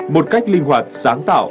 một cách linh hoạt sáng tạo